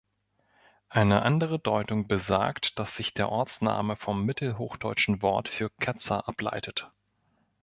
Eine andere Deutung besagt, dass sich der Ortsname vom mittelhochdeutschen Wort für Ketzer ableitet.